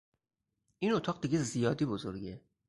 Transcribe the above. این اتاق دیگه زیادی بزرگه!